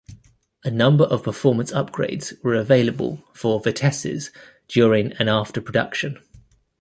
A number of performance upgrades were available for Vitesses, during and after production.